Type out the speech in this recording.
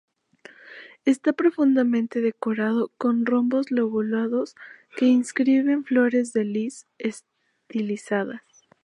Esta profundamente decorado con rombos lobulados que inscriben flores de lis estilizadas.